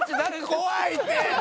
怖いって！